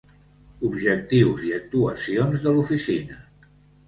Objectius i actuacions de l'Oficina.